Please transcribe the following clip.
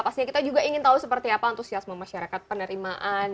pastinya kita juga ingin tahu seperti apa antusiasme masyarakat penerimaan